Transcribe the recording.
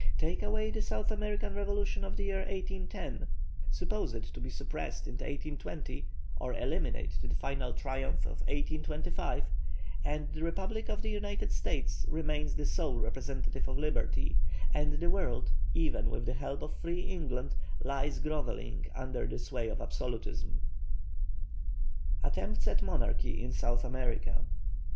Take away the South American revolution of the year '10, suppose it to be suppressed in 1820, or eliminate the final triumph of 1825, and the republic of the United States remains the sole representative of liberty; and the world, even with the help of free England, lies grovelling under the sway of absolutism. ATTEMPTS AT MONARCHY IN SOUTH AMERICA.